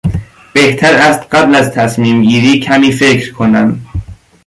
بهتر است قبل از تصمیمگیری کمی فکر کنم.